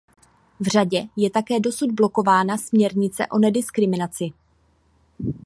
V Radě je také dosud blokována směrnice o nediskriminaci.